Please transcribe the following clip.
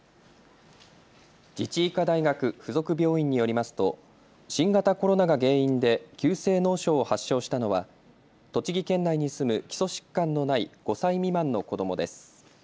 自治医科大学附属病院によりますと新型コロナが原因で急性脳症を発症したのは栃木県内に住む基礎疾患のない５歳未満の子どもです。